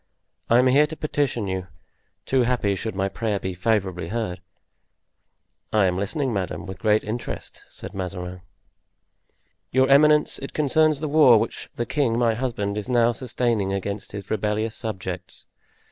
I am here to petition you, too happy should my prayer be favorably heard." "I am listening, madame, with the greatest interest," said Mazarin. "Your eminence, it concerns the war which the king, my husband, is now sustaining against his rebellious subjects.